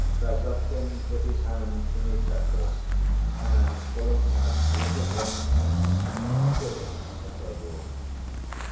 Krassotkin put his hand in his satchel, and pulling out a little bronze cannon stood it on the table.